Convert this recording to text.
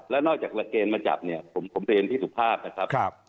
แล้วนอกจากหลักเกณฑ์มาจับเนี่ยผมเรียนพี่สุภาพนะครับ